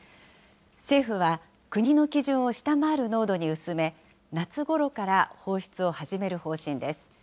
政府は、国の基準を下回る濃度に薄め、夏ごろから放出を始める方針です。